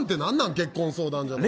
結婚相談所で。